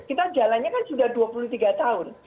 kita jalannya kan sudah dua puluh tiga tahun